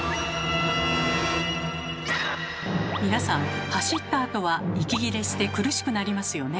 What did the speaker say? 皆さん走ったあとは息切れして苦しくなりますよね。